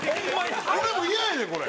俺も嫌やねんこれ！